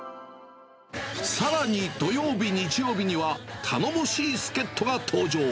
さらに土曜日、日曜日には頼もしい助っとが登場。